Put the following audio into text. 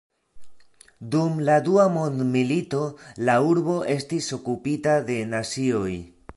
Dum la Dua mondmilito la urbo estis okupita de nazioj.